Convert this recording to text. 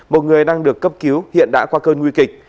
một người đang được cấp cứu hiện đã qua cơn nguy kịch